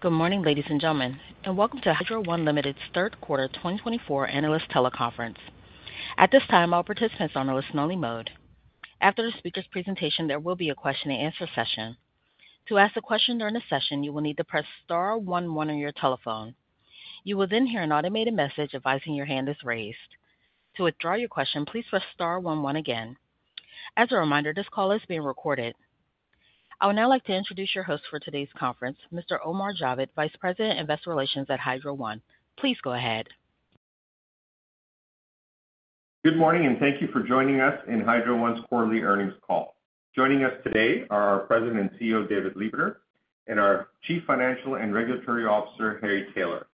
Good morning, ladies and gentlemen, and welcome to Hydro One Limited's third quarter 2024 analyst teleconference. At this time, all participants are on a listen-only mode. After the speaker's presentation, there will be a question-and-answer session. To ask a question during the session, you will need to press star 11 on your telephone. You will then hear an automated message advising your hand is raised. To withdraw your question, please press star 11 again. As a reminder, this call is being recorded. I would now like to introduce your host for today's conference, Mr. Omar Javed, Vice President of Investor Relations at Hydro One. Please go ahead. Good morning, and thank you for joining us in Hydro One's quarterly earnings call. Joining us today are our President and CEO, David Lebeter, and our Chief Financial and Regulatory Officer, Harry Taylor.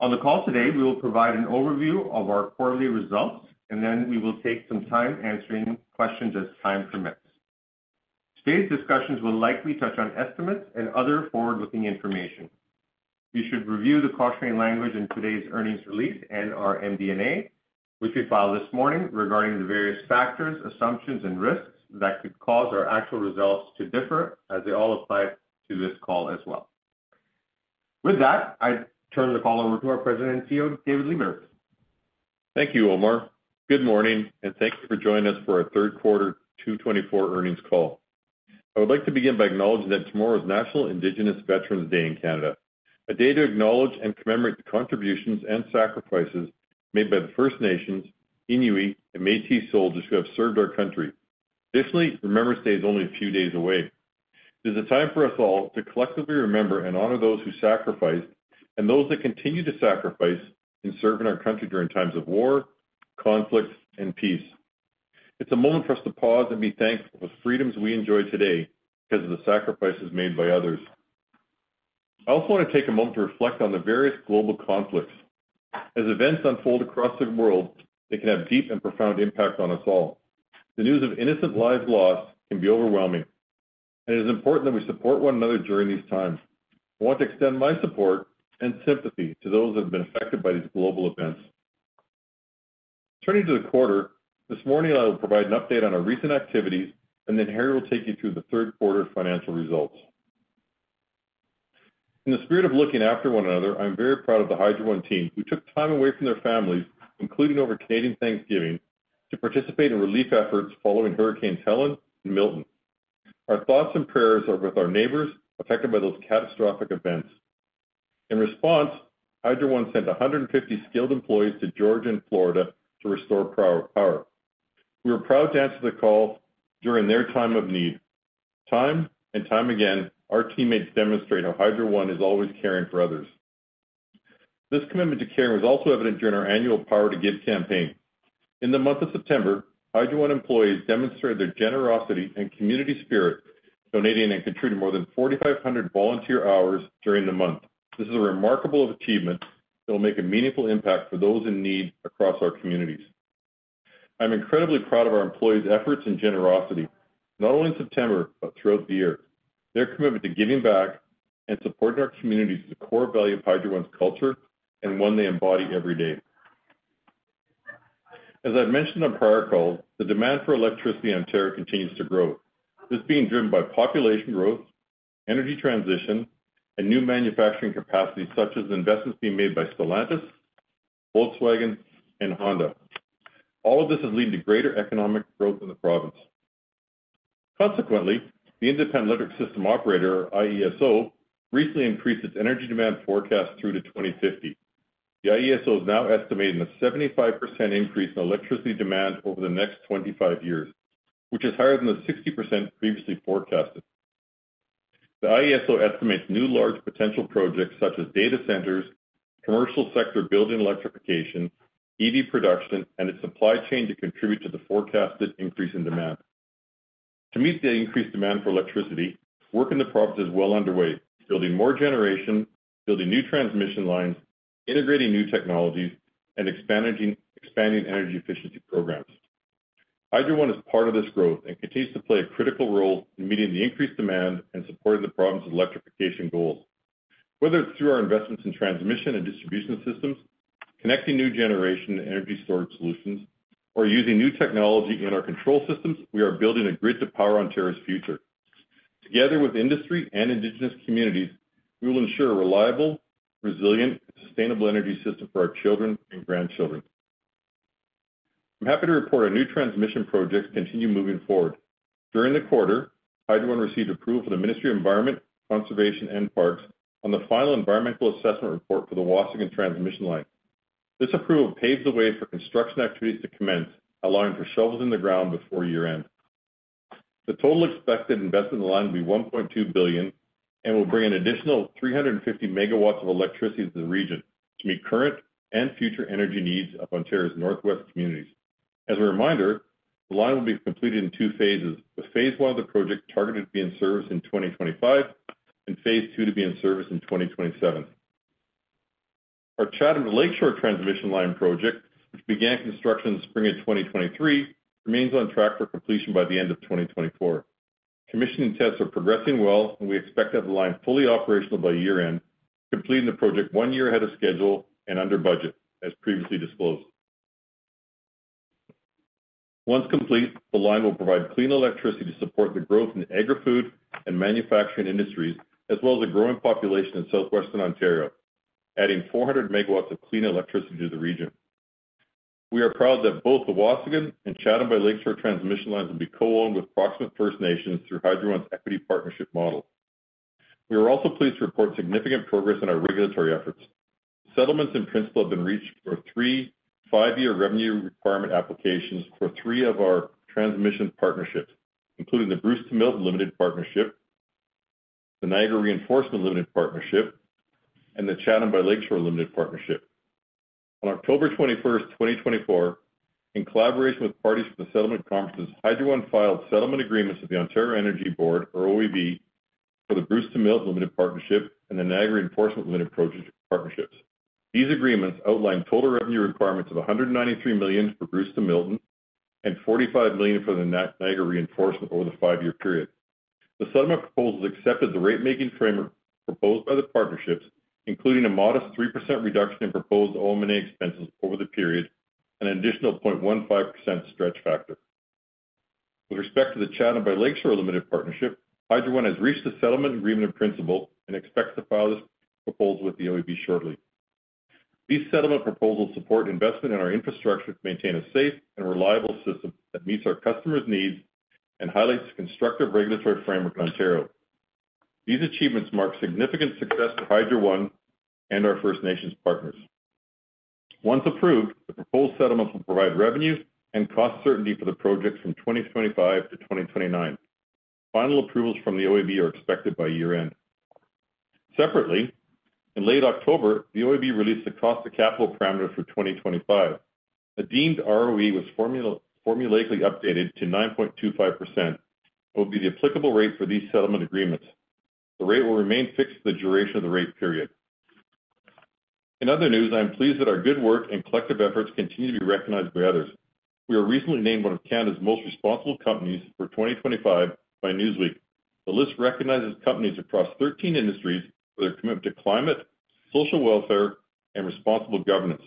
On the call today, we will provide an overview of our quarterly results, and then we will take some time answering questions as time permits. Today's discussions will likely touch on estimates and other forward-looking information. You should review the cautionary language in today's earnings release and our MD&A, which we filed this morning, regarding the various factors, assumptions, and risks that could cause our actual results to differ, as they all apply to this call as well. With that, I turn the call over to our President and CEO, David Lebeter. Thank you, Omar. Good morning, and thank you for joining us for our third quarter 2024 earnings call. I would like to begin by acknowledging that tomorrow is National Indigenous Veterans Day in Canada, a day to acknowledge and commemorate the contributions and sacrifices made by the First Nations, Inuit, and Métis soldiers who have served our country. Additionally, Remembrance Day is only a few days away. It is a time for us all to collectively remember and honor those who sacrificed and those that continue to sacrifice in serving our country during times of war, conflict, and peace. It's a moment for us to pause and be thankful for the freedoms we enjoy today because of the sacrifices made by others. I also want to take a moment to reflect on the various global conflicts. As events unfold across the world, they can have deep and profound impacts on us all. The news of innocent lives lost can be overwhelming, and it is important that we support one another during these times. I want to extend my support and sympathy to those that have been affected by these global events. Turning to the quarter, this morning, I will provide an update on our recent activities, and then Harry will take you through the third quarter financial results. In the spirit of looking after one another, I'm very proud of the Hydro One team who took time away from their families, including over Canadian Thanksgiving, to participate in relief efforts following Hurricanes Helene and Milton. Our thoughts and prayers are with our neighbors affected by those catastrophic events. In response, Hydro One sent 150 skilled employees to Georgia and Florida to restore power. We were proud to answer the call during their time of need. Time and time again, our teammates demonstrate how Hydro One is always caring for others. This commitment to caring was also evident during our annual Power to Give campaign. In the month of September, Hydro One employees demonstrated their generosity and community spirit, donating and contributing more than 4,500 volunteer hours during the month. This is a remarkable achievement that will make a meaningful impact for those in need across our communities. I'm incredibly proud of our employees' efforts and generosity, not only in September but throughout the year. Their commitment to giving back and supporting our communities is a core value of Hydro One's culture and one they embody every day. As I've mentioned on prior calls, the demand for electricity in Ontario continues to grow. This is being driven by population growth, energy transition, and new manufacturing capacity, such as investments being made by Stellantis, Volkswagen, and Honda. All of this is leading to greater economic growth in the province. Consequently, the Independent Electricity System Operator, or IESO, recently increased its energy demand forecast through to 2050. The IESO is now estimating a 75% increase in electricity demand over the next 25 years, which is higher than the 60% previously forecasted. The IESO estimates new large potential projects such as data centers, commercial sector building electrification, EV production, and its supply chain to contribute to the forecasted increase in demand. To meet the increased demand for electricity, work in the province is well underway, building more generation, building new transmission lines, integrating new technologies, and expanding energy efficiency programs. Hydro One is part of this growth and continues to play a critical role in meeting the increased demand and supporting the province's electrification goals. Whether it's through our investments in transmission and distribution systems, connecting new generation and energy storage solutions, or using new technology in our control systems, we are building a grid to power Ontario's future. Together with industry and Indigenous communities, we will ensure a reliable, resilient, and sustainable energy system for our children and grandchildren. I'm happy to report our new transmission projects continue moving forward. During the quarter, Hydro One received approval from the Ministry of the Environment, Conservation and Parks on the final environmental assessment report for the Waasigan Transmission Line. This approval paves the way for construction activities to commence, allowing for shovels in the ground before year-end. The total expected investment in the line will be 1.2 billion and will bring an additional 350 megawatts of electricity to the region to meet current and future energy needs of Ontario's northwest communities. As a reminder, the line will be completed in two phases, with phase one of the project targeted to be in service in 2025 and phase two to be in service in 2027. Our Chatham to Lakeshore Transmission Line project, which began construction in the spring of 2023, remains on track for completion by the end of 2024. Commissioning tests are progressing well, and we expect to have the line fully operational by year-end, completing the project one year ahead of schedule and under budget, as previously disclosed. Once complete, the line will provide clean electricity to support the growth in the agri-food and manufacturing industries, as well as a growing population in southwestern Ontario, adding 400 MW of clean electricity to the region. We are proud that both the Waasigan and Chatham to Lakeshore transmission lines will be co-owned with proximate First Nations through Hydro One's equity partnership model. We are also pleased to report significant progress in our regulatory efforts. Settlements in principle have been reached for three five-year revenue requirement applications for three of our transmission partnerships, including the Bruce-to-Milton Limited Partnership, the Niagara Reinforcement Limited Partnership, and the Chatham to Lakeshore Limited Partnership. On October 21st, 2024, in collaboration with parties from the settlement conferences, Hydro One filed settlement agreements with the Ontario Energy Board, or OEB, for the Bruce-to-Milton Limited Partnership and the Niagara Reinforcement Limited Partnership. These agreements outline total revenue requirements of 193 million for Bruce-to-Milton and 45 million for the Niagara Reinforcement over the five-year period. The settlement proposals accepted the rate-making framework proposed by the partnerships, including a modest 3% reduction in proposed OM&A expenses over the period and an additional 0.15% stretch factor. With respect to the Chatham to Lakeshore Limited Partnership, Hydro One has reached the settlement agreement in principle and expects to file this proposal with the OEB shortly. These settlement proposals support investment in our infrastructure to maintain a safe and reliable system that meets our customers' needs and highlights a constructive regulatory framework in Ontario. These achievements mark significant success for Hydro One and our First Nations partners. Once approved, the proposed settlements will provide revenue and cost certainty for the project from 2025 to 2029. Final approvals from the OEB are expected by year-end. Separately, in late October, the OEB released the cost-to-capital parameter for 2025. A deemed ROE was formulaically updated to 9.25%, which will be the applicable rate for these settlement agreements. The rate will remain fixed for the duration of the rate period. In other news, I am pleased that our good work and collective efforts continue to be recognized by others. We were recently named one of Canada's most responsible companies for 2025 by Newsweek. The list recognizes companies across 13 industries for their commitment to climate, social welfare, and responsible governance.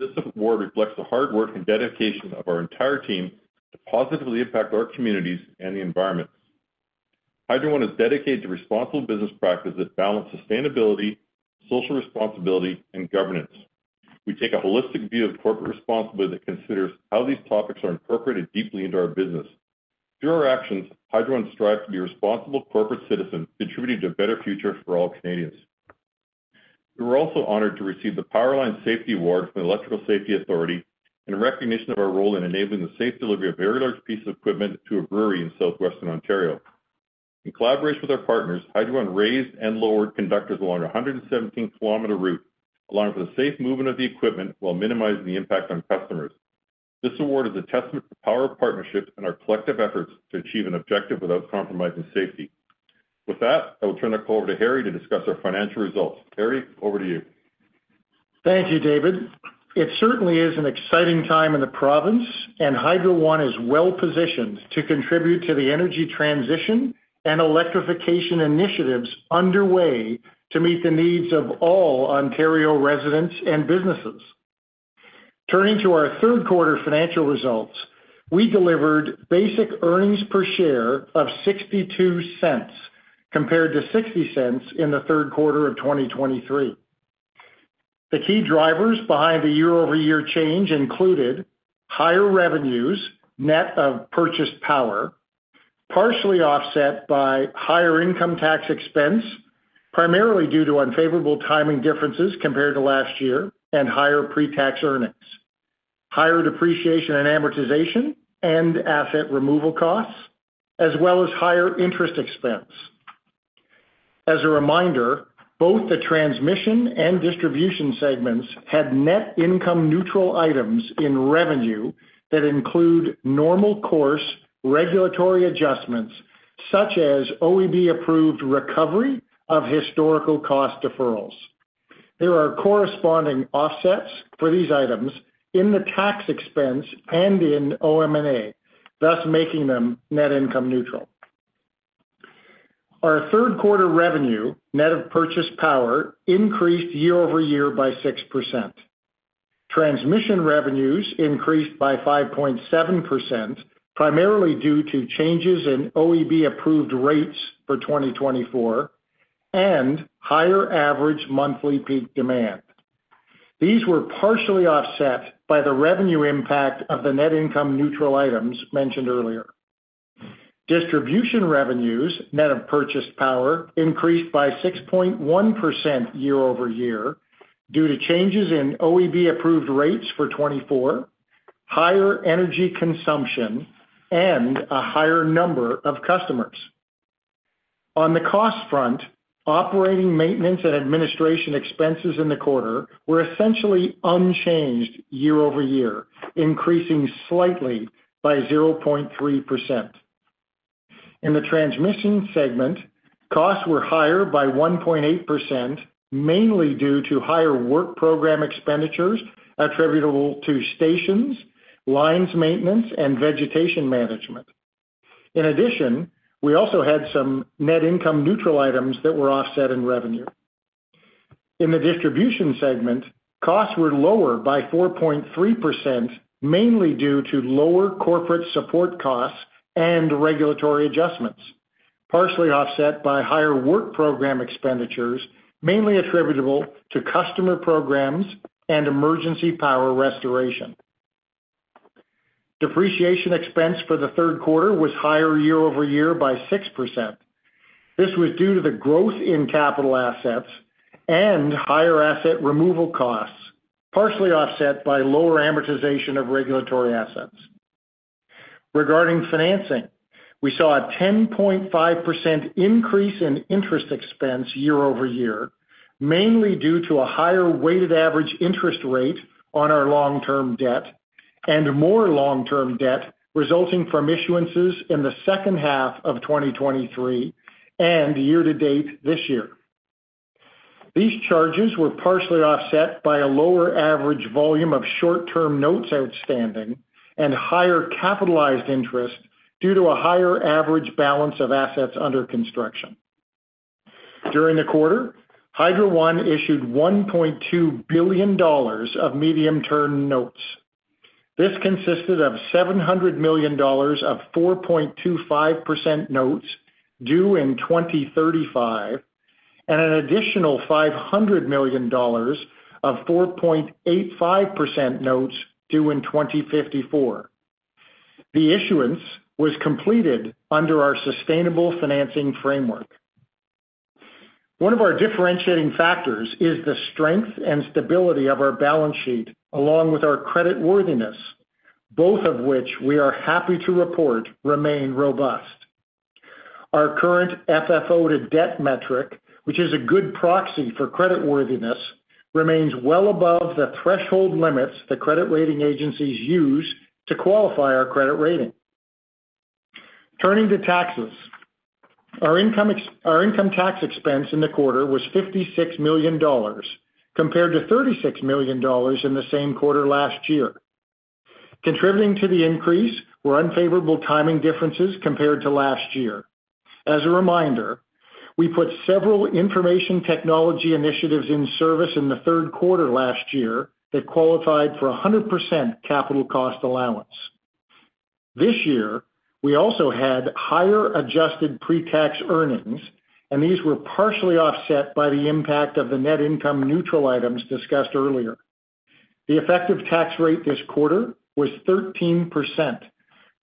This award reflects the hard work and dedication of our entire team to positively impact our communities and the environment. Hydro One is dedicated to responsible business practices that balance sustainability, social responsibility, and governance. We take a holistic view of corporate responsibility that considers how these topics are incorporated deeply into our business. Through our actions, Hydro One strives to be a responsible corporate citizen contributing to a better future for all Canadians. We were also honored to receive the Power Line Safety Award from the Electrical Safety Authority in recognition of our role in enabling the safe delivery of very large pieces of equipment to a brewery in southwestern Ontario. In collaboration with our partners, Hydro One raised and lowered conductors along a 117-kilometer route, allowing for the safe movement of the equipment while minimizing the impact on customers. This award is a testament to power partnerships and our collective efforts to achieve an objective without compromising safety. With that, I will turn the call over to Harry to discuss our financial results. Harry, over to you. Thank you, David. It certainly is an exciting time in the province, and Hydro One is well positioned to contribute to the energy transition and electrification initiatives underway to meet the needs of all Ontario residents and businesses. Turning to our third quarter financial results, we delivered basic earnings per share of 0.62 compared to 0.60 in the third quarter of 2023. The key drivers behind the year-over-year change included higher revenues net of purchased power, partially offset by higher income tax expense, primarily due to unfavorable timing differences compared to last year, and higher pre-tax earnings, higher depreciation and amortization and asset removal costs, as well as higher interest expense. As a reminder, both the transmission and distribution segments had net income-neutral items in revenue that include normal course regulatory adjustments, such as OEB-approved recovery of historical cost deferrals. There are corresponding offsets for these items in the tax expense and in OM&A, thus making them net income-neutral. Our third quarter revenue net of purchased power increased year-over-year by 6%. Transmission revenues increased by 5.7%, primarily due to changes in OEB-approved rates for 2024 and higher average monthly peak demand. These were partially offset by the revenue impact of the net income-neutral items mentioned earlier. Distribution revenues net of purchased power increased by 6.1% year-over-year due to changes in OEB-approved rates for 2024, higher energy consumption, and a higher number of customers. On the cost front, operating maintenance and administration expenses in the quarter were essentially unchanged year-over-year, increasing slightly by 0.3%. In the transmission segment, costs were higher by 1.8%, mainly due to higher work program expenditures attributable to stations, lines maintenance, and vegetation management. In addition, we also had some net income-neutral items that were offset in revenue. In the distribution segment, costs were lower by 4.3%, mainly due to lower corporate support costs and regulatory adjustments, partially offset by higher work program expenditures mainly attributable to customer programs and emergency power restoration. Depreciation expense for the third quarter was higher year-over-year by 6%. This was due to the growth in capital assets and higher asset removal costs, partially offset by lower amortization of regulatory assets. Regarding financing, we saw a 10.5% increase in interest expense year-over-year, mainly due to a higher weighted average interest rate on our long-term debt and more long-term debt resulting from issuances in the second half of 2023 and year-to-date this year. These charges were partially offset by a lower average volume of short-term notes outstanding and higher capitalized interest due to a higher average balance of assets under construction. During the quarter, Hydro One issued 1.2 billion dollars of medium-term notes. This consisted of 700 million dollars of 4.25% notes due in 2035 and an additional 500 million dollars of 4.85% notes due in 2054. The issuance was completed under our Sustainable Financing Framework. One of our differentiating factors is the strength and stability of our balance sheet, along with our creditworthiness, both of which we are happy to report remain robust. Our current FFO to Debt metric, which is a good proxy for creditworthiness, remains well above the threshold limits the credit rating agencies use to qualify our credit rating. Turning to taxes, our income tax expense in the quarter was 56 million dollars, compared to 36 million dollars in the same quarter last year. Contributing to the increase were unfavorable timing differences compared to last year. As a reminder, we put several information technology initiatives in service in the third quarter last year that qualified for 100% capital cost allowance. This year, we also had higher adjusted pre-tax earnings, and these were partially offset by the impact of the net income-neutral items discussed earlier. The effective tax rate this quarter was 13%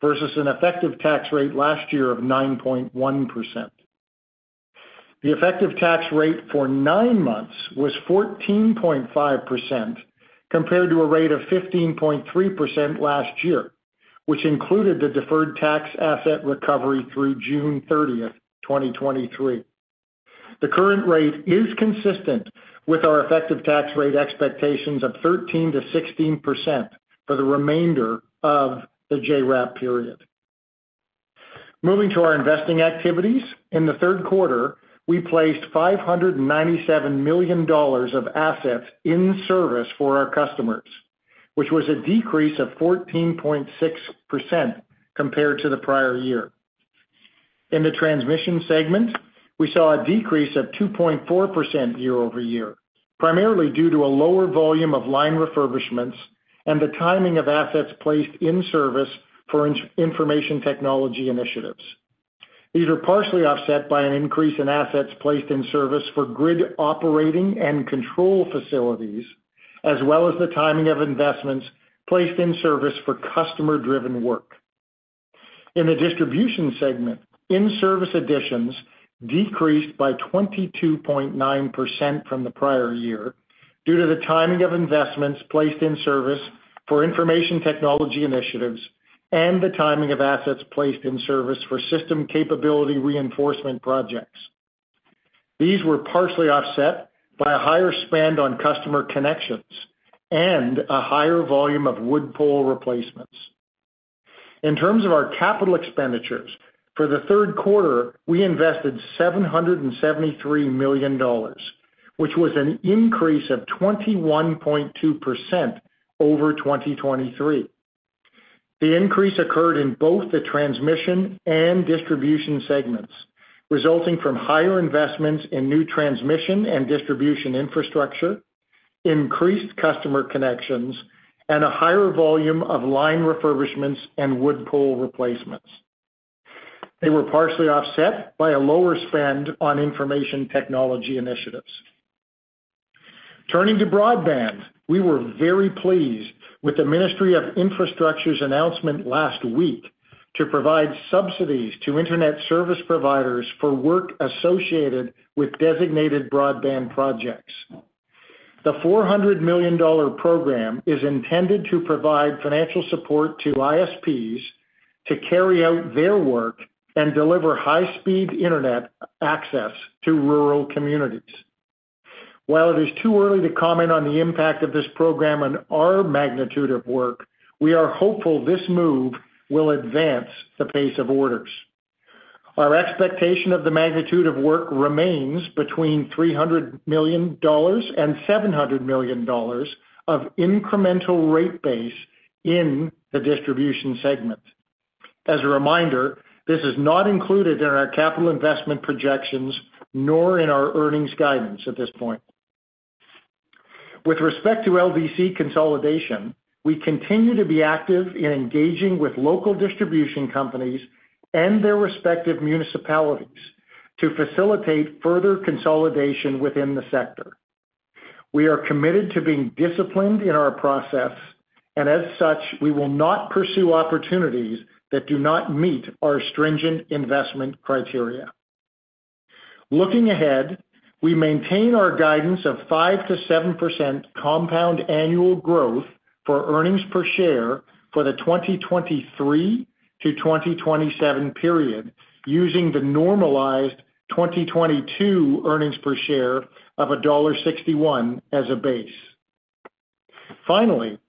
versus an effective tax rate last year of 9.1%. The effective tax rate for nine months was 14.5%, compared to a rate of 15.3% last year, which included the deferred tax asset recovery through June 30th, 2023. The current rate is consistent with our effective tax rate expectations of 13%-16% for the remainder of the JRAP period. Moving to our investing activities, in the third quarter, we placed 597 million dollars of assets in service for our customers, which was a decrease of 14.6% compared to the prior year. In the transmission segment, we saw a decrease of 2.4% year-over-year, primarily due to a lower volume of line refurbishments and the timing of assets placed in service for information technology initiatives. These were partially offset by an increase in assets placed in service for grid operating and control facilities, as well as the timing of investments placed in service for customer-driven work. In the distribution segment, in-service additions decreased by 22.9% from the prior year due to the timing of investments placed in service for information technology initiatives and the timing of assets placed in service for system capability reinforcement projects. These were partially offset by a higher spend on customer connections and a higher volume of wood pole replacements. In terms of our capital expenditures, for the third quarter, we invested 773 million dollars, which was an increase of 21.2% over 2023. The increase occurred in both the transmission and distribution segments, resulting from higher investments in new transmission and distribution infrastructure, increased customer connections, and a higher volume of line refurbishments and wood pole replacements. They were partially offset by a lower spend on information technology initiatives. Turning to broadband, we were very pleased with the Ministry of Infrastructure's announcement last week to provide subsidies to internet service providers for work associated with designated broadband projects. The 400 million dollar program is intended to provide financial support to ISPs to carry out their work and deliver high-speed internet access to rural communities. While it is too early to comment on the impact of this program and our magnitude of work, we are hopeful this move will advance the pace of orders. Our expectation of the magnitude of work remains between 300 million dollars and 700 million dollars of incremental rate base in the distribution segment. As a reminder, this is not included in our capital investment projections nor in our earnings guidance at this point. With respect to LDC consolidation, we continue to be active in engaging with local distribution companies and their respective municipalities to facilitate further consolidation within the sector. We are committed to being disciplined in our process, and as such, we will not pursue opportunities that do not meet our stringent investment criteria. Looking ahead, we maintain our guidance of 5%-7% compound annual growth for earnings per share for the 2023 to 2027 period, using the normalized 2022 earnings per share of dollar 1.61 as a base. Finally,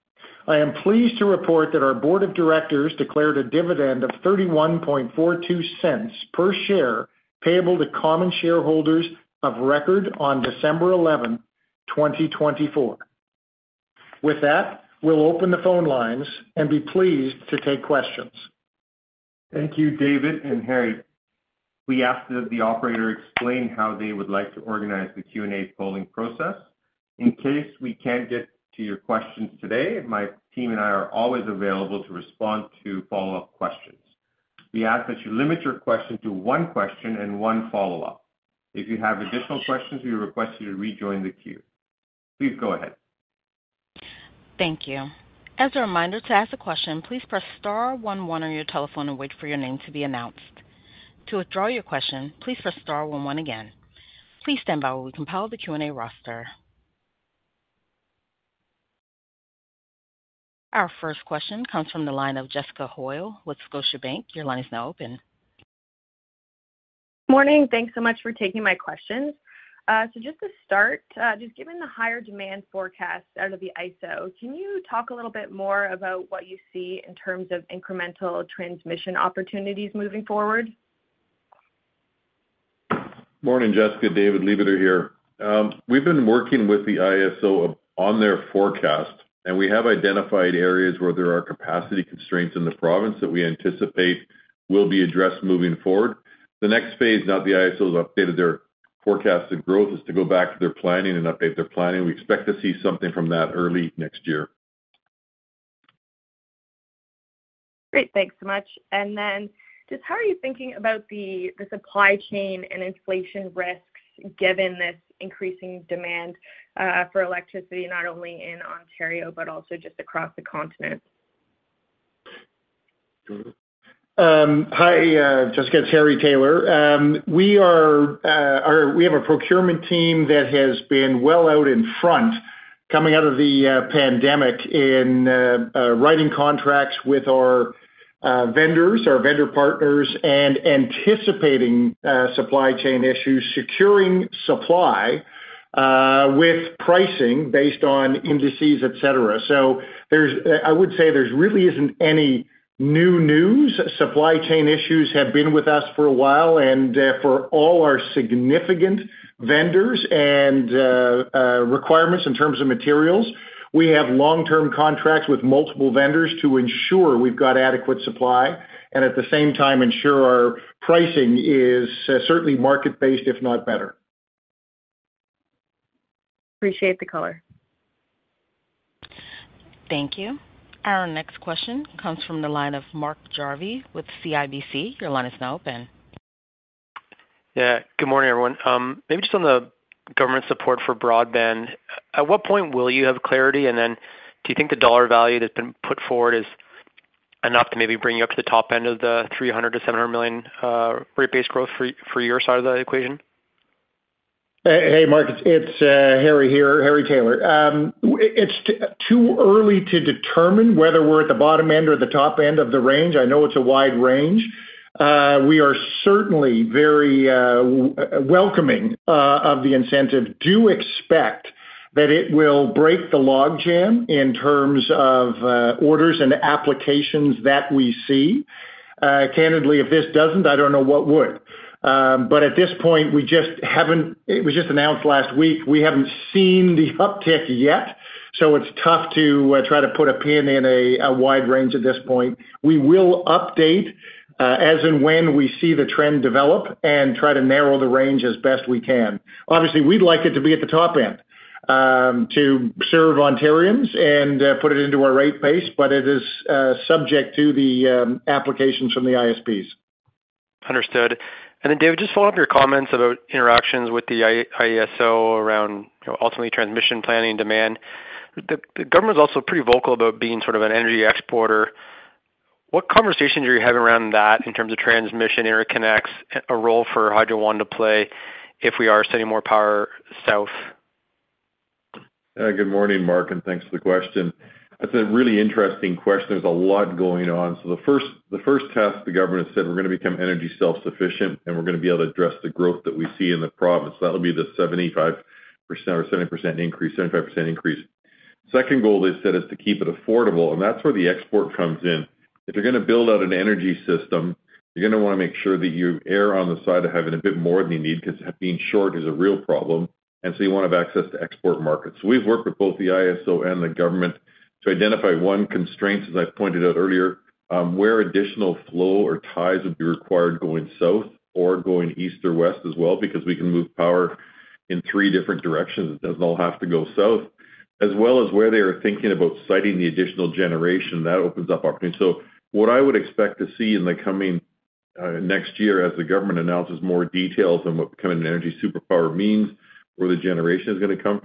I am pleased to report that our board of directors declared a dividend of 0.3142 per share payable to common shareholders of record on December 11th, 2024. With that, we'll open the phone lines and be pleased to take questions. Thank you, David and Harry. We ask that the operator explain how they would like to organize the Q&A polling process. In case we can't get to your questions today, my team and I are always available to respond to follow-up questions. We ask that you limit your question to one question and one follow-up. If you have additional questions, we request you to rejoin the queue. Please go ahead. Thank you. As a reminder, to ask a question, please press star 11 on your telephone and wait for your name to be announced. To withdraw your question, please press star 11 again. Please stand by while we compile the Q&A roster. Our first question comes from the line of Jessica Hoyle with Scotiabank. Your line is now open. Morning. Thanks so much for taking my questions. So just to start, just given the higher demand forecast out of the ISO, can you talk a little bit more about what you see in terms of incremental transmission opportunities moving forward? Morning, Jessica. David Lebeter here. We've been working with the IESO on their forecast, and we have identified areas where there are capacity constraints in the province that we anticipate will be addressed moving forward. The next phase now that the IESO has updated their forecasted growth is to go back to their planning and update their planning. We expect to see something from that early next year. Great. Thanks so much. And then just how are you thinking about the supply chain and inflation risks given this increasing demand for electricity not only in Ontario but also just across the continent? Hi, Jessica. It's Harry Taylor. We have a procurement team that has been well out in front coming out of the pandemic in writing contracts with our vendors, our vendor partners, and anticipating supply chain issues, securing supply with pricing based on indices, etc. So I would say there really isn't any new news. Supply chain issues have been with us for a while, and for all our significant vendors and requirements in terms of materials, we have long-term contracts with multiple vendors to ensure we've got adequate supply and at the same time ensure our pricing is certainly market-based, if not better. Appreciate the caller. Thank you. Our next question comes from the line of Marc Jarvi with CIBC. Your line is now open. Yeah. Good morning, everyone. Maybe just on the government support for broadband. At what point will you have clarity, and then do you think the dollar value that's been put forward is enough to maybe bring you up to the top end of the 300-700 million rate base growth for your side of the equation? Hey, Marc. It's Harry here, Harry Taylor. It's too early to determine whether we're at the bottom end or the top end of the range. I know it's a wide range. We are certainly very welcoming of the incentive. Do expect that it will break the log jam in terms of orders and applications that we see. Candidly, if this doesn't, I don't know what would. But at this point, we just haven't, it was just announced last week, we haven't seen the uptick yet, so it's tough to try to put a pin in a wide range at this point. We will update as and when we see the trend develop and try to narrow the range as best we can. Obviously, we'd like it to be at the top end to serve Ontarians and put it into our rate base, but it is subject to the applications from the ISPs. Understood. And then, David, just following up your comments about interactions with the IESO around ultimately transmission planning demand, the government is also pretty vocal about being sort of an energy exporter. What conversations are you having around that in terms of transmission interconnects? A role for Hydro One to play if we are sending more power south? Good morning, Marc, and thanks for the question. That's a really interesting question. There's a lot going on, so the first task the government has said, "We're going to become energy self-sufficient, and we're going to be able to address the growth that we see in the province." That'll be the 75% or 70% increase, 75% increase. Second goal, they said, is to keep it affordable, and that's where the export comes in. If you're going to build out an energy system, you're going to want to make sure that you err on the side of having a bit more than you need because being short is a real problem, and so you want to have access to export markets. So we've worked with both the IESO and the government to identify one constraint, as I pointed out earlier, where additional flow or ties would be required going south or going east or west as well because we can move power in three different directions. It doesn't all have to go south, as well as where they are thinking about siting the additional generation. That opens up opportunity. So what I would expect to see in the coming next year as the government announces more details on what becoming an energy superpower means, where the generation is going to come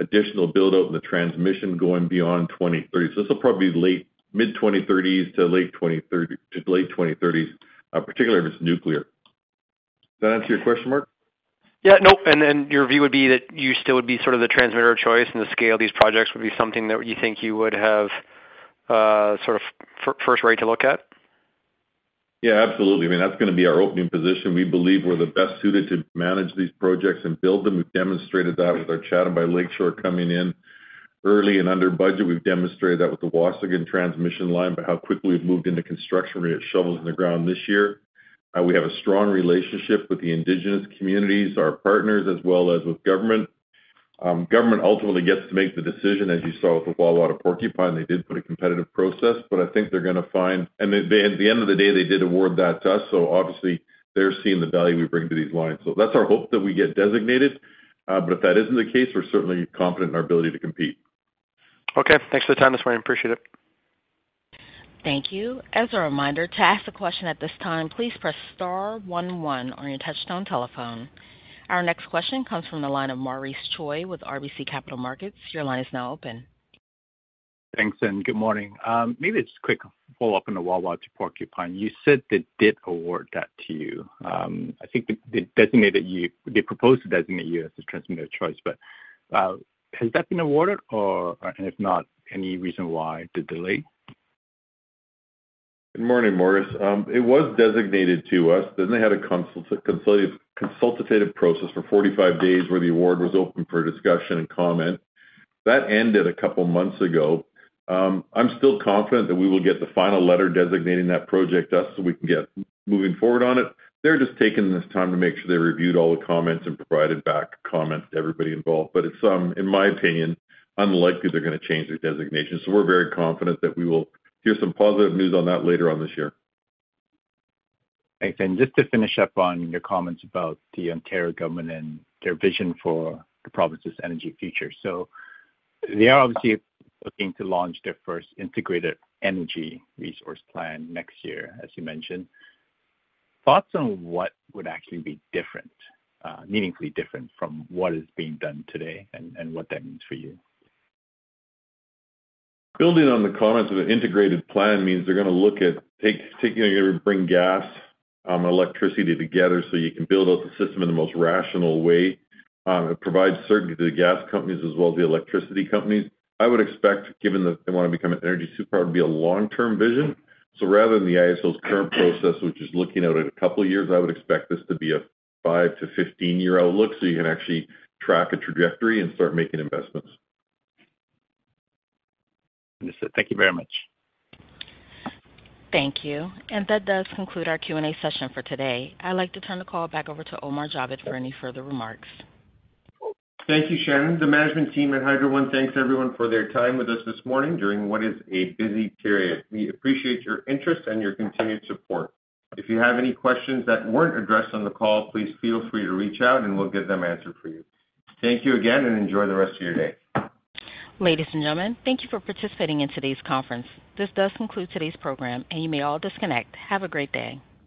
from, additional build-up in the transmission going beyond 2030. So this will probably be late mid-2030s to late 2030s, particularly if it's nuclear. Does that answer your question, Marc? Yeah. Nope. And then your view would be that you still would be sort of the transmitter of choice, and the scale of these projects would be something that you think you would have sort of first rate to look at? Yeah. Absolutely. I mean, that's going to be our opening position. We believe we're the best suited to manage these projects and build them. We've demonstrated that with our Chatham to Lakeshore coming in early and under budget. We've demonstrated that with the Waasigan transmission line, but how quickly we've moved into construction where it shovels in the ground this year. We have a strong relationship with the indigenous communities, our partners, as well as with government. Government ultimately gets to make the decision, as you saw with the Wawa to Porcupine. They did put a competitive process, but I think they're going to find, and at the end of the day, they did award that to us. So obviously, they're seeing the value we bring to these lines. So that's our hope that we get designated, but if that isn't the case, we're certainly confident in our ability to compete. Okay. Thanks for the time this morning. Appreciate it. Thank you. As a reminder, to ask a question at this time, please press star 11 on your touch-tone telephone. Our next question comes from the line of Maurice Choy with RBC Capital Markets. Your line is now open. Thanks, and good morning. Maybe it's quick follow-up on the Wawa to Porcupine. You said they did award that to you. I think they designated you—they proposed to designate you as a transmitter of choice, but has that been awarded, or if not, any reason why the delay? Good morning, Maurice. It was designated to us. Then they had a consultative process for 45 days where the award was open for discussion and comment. That ended a couple of months ago. I'm still confident that we will get the final letter designating that project to us so we can get moving forward on it. They're just taking this time to make sure they reviewed all the comments and provided back comments to everybody involved, but it's, in my opinion, unlikely they're going to change their designation. So we're very confident that we will hear some positive news on that later on this year. Thanks. And just to finish up on your comments about the Ontario government and their vision for the province's energy future, so they are obviously looking to launch their first integrated energy resource plan next year, as you mentioned. Thoughts on what would actually be different, meaningfully different from what is being done today and what that means for you? Building on the comments of the integrated plan means they're going to look at taking everybody and bringing gas and electricity together so you can build out the system in the most rational way. It provides certainty to the gas companies as well as the electricity companies. I would expect, given that they want to become an energy superpower, it would be a long-term vision. So rather than the IESO's current process, which is looking out at a couple of years, I would expect this to be a five to 15-year outlook so you can actually track a trajectory and start making investments. Understood. Thank you very much. Thank you. And that does conclude our Q&A session for today. I'd like to turn the call back over to Omar Javed for any further remarks. Thank you, Sharon. The management team at Hydro One thanks everyone for their time with us this morning during what is a busy period. We appreciate your interest and your continued support. If you have any questions that weren't addressed on the call, please feel free to reach out, and we'll get them answered for you. Thank you again, and enjoy the rest of your day. Ladies and gentlemen, thank you for participating in today's conference. This does conclude today's program, and you may all disconnect. Have a great day.